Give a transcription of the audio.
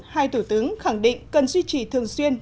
hai thủ tướng khẳng định cần duy trì thường xuyên